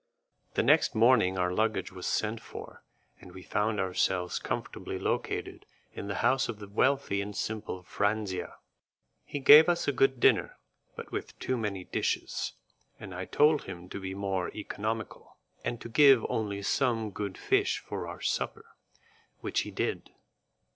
The next morning our luggage was sent for, and we found ourselves comfortably located in the house of the wealthy and simple Franzia. He gave us a good dinner, but with too many dishes, and I told him to be more economical, and to give only some good fish for our supper, which he did.